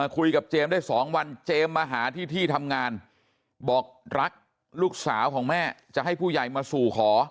เจมส์ได้๒วันเจมส์มาหาที่ที่ทำงานบอกรักลูกสาวของแม่จะให้ผู้ใหญ่มาสู่ขอ